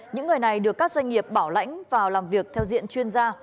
những người này được các doanh nghiệp bảo lãnh vào làm việc theo diện chuyên gia